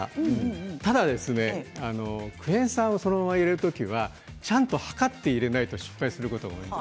ただクエン酸をそのまま入れる時にはちゃんと量って入れないと失敗することが多いです。